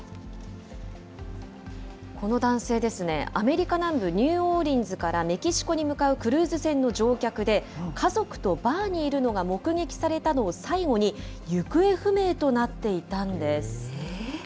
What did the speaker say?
この男性ですね、アメリカ南部ニューオーリンズからメキシコに向かうクルーズ船の乗客で、家族とバーにいるのが目撃されたのを最後に、行方不明となっていたんです。